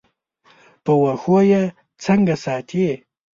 په واښو یې څنګه ساتې.